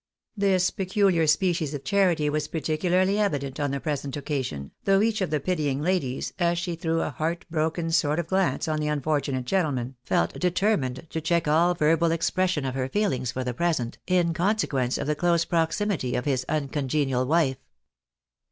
This peculiar species of charity was particularly evident on the present occasion, though each of the pitying ladies, as she threw a heart broken sort of glance on the unfortunate gentleman, felt determined to check all verbal expression of her feelings for the present, in consequence of the close proximity of his uncongenial wife.